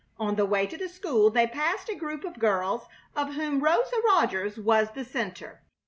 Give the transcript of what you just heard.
On the way to the school they passed a group of girls, of whom Rosa Rogers was the center.